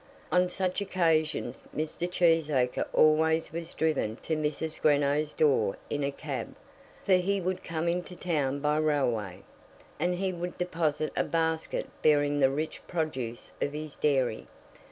On such occasions Mr. Cheesacre always was driven to Mrs. Greenow's door in a cab, for he would come into town by railway, and he would deposit a basket bearing the rich produce of his dairy.